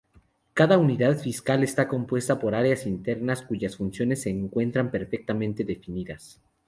Cada unidad fiscal está compuesta por áreas internas cuyas funciones se encuentran perfectamente definidas.